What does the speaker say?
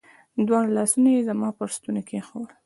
دواړه لاسونه يې زما پر ستوني کښېښوول.